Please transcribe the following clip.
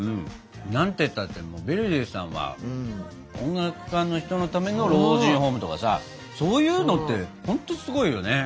何てったってヴェルディさんは音楽家の人のための老人ホームとかさそういうのってほんとすごいよね！